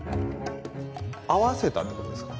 合わせたってことですか？